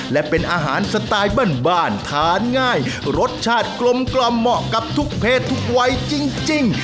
และเป็นอาหารสไตล์บ้านทานง่ายรสชาติกลมเหมาะกับทุกเพศทุกวัยจริง